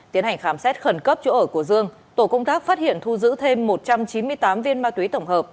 tiến hành khám xét khẩn cấp chỗ ở của dương tổ công tác phát hiện thu giữ thêm một trăm chín mươi tám viên ma túy tổng hợp